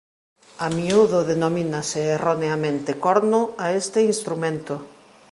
A miúdo denomínase erroneamente "corno" a este instrumento.